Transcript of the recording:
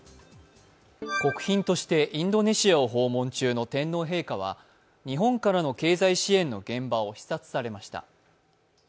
国賓としてインドネシアを訪問中の天皇陛下は日本からの経済支援の現場を視察されました。